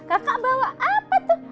kakak bawa apa tuh